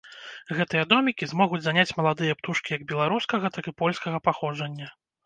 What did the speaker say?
Гэтыя домікі змогуць заняць маладыя птушкі як беларускага, так і польскага паходжання.